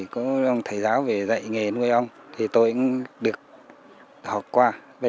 có thầy giáo về dạy nghề nuôi ông tôi cũng được học qua